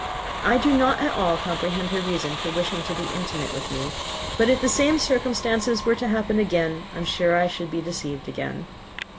I do not at all comprehend her reason for wishing to be intimate with me; but, if the same circumstances were to happen again, I am sure I should be deceived again.